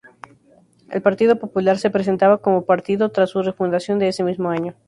El Partido Popular se presentaba como partido tras su refundación de ese mismo año.